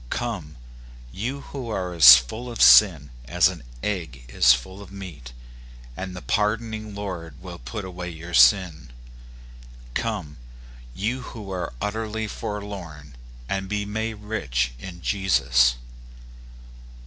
Come, you who are as full of sin as an egg is full of meat, and the pardoning Lord will put away your sin. Come, you who are utterly forlorn, and be made rich in Jesus.